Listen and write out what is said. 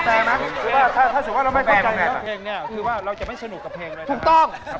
คือว่าเราจะไม่สนุกกับเพลงด้วย